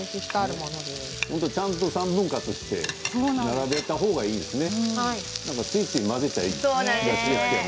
ちゃんと３分割して並べたほうがいいですね。